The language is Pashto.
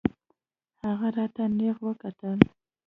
هغه راته نېغ وکتل.